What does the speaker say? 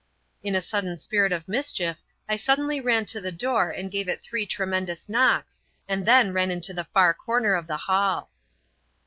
In a sudden spirit of mischief I suddenly ran to the door and gave it three tremendous knocks, and then ran into the far comer of the hall.